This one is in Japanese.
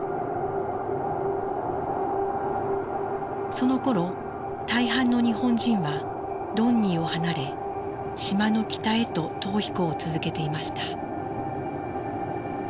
そのころ大半の日本人はドンニーを離れ島の北へと逃避行を続けていました。